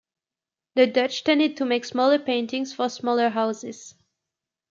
The Dutch tended to make smaller paintings for smaller houses.